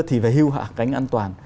thì về hưu hạ cánh an toàn